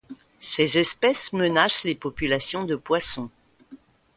Ces espèces menacent les populations de poissons.